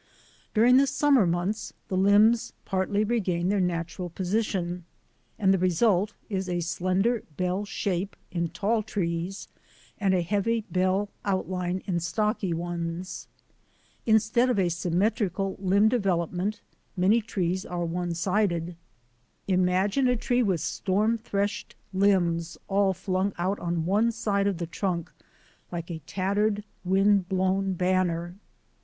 During the summer months the limbs partly regain their natural posi tion, and the result is a slender bell shape in tall trees and a heavy bell outline in stocky ones. In stead of symmetrical limb development many trees are one sided. Imagine a tree with storm threshed limbs all flung out on one side of the trunk, like a tattered, wind blown banner